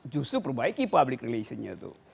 justru perbaiki public relationnya tuh